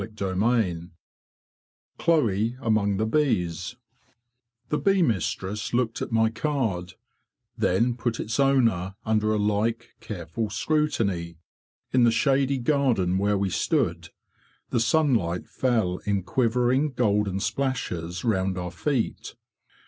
CHAPTER IV CHLOE AMONG THE BEES THE bee mistress looked at my card, then put its owner under a like careful scrutiny. In the shady garden where we stood, the sunlight fell in quivering golden splashes round our feet.